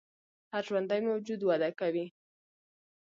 هر ژوندی موجود وده کوي